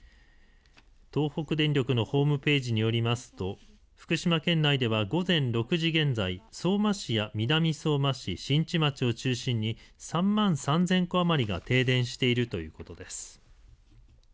東北電力のホームページによりますと福島県内では午前６時現在、相馬市や南相馬市、新地町を中心に３万３０００戸余りが停電しているということです。